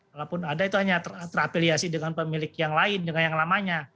walaupun ada itu hanya terapeliasi dengan pemilik yang lain dengan yang lamanya